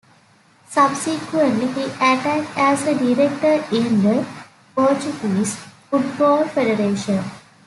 Subsequently, he acted as a director in the Portuguese Football Federation.